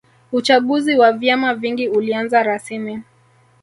uchaguzi wa vyama vingi ulianza rasimi